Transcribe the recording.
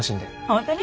本当に？